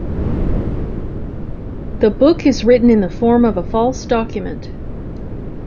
The book is written in the form of a false document.